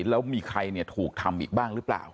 แล้วมีใครถูกทำอีกบ้างหรือเปล่า